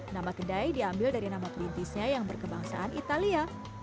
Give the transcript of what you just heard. nama kedai diambil dari nama perintisnya yang berkebangsaan italia